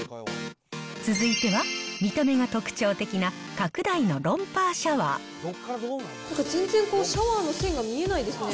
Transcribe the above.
続いては、見た目が特徴的なカクダイのロンパーシャワー。全然シャワーの線が見えないですね。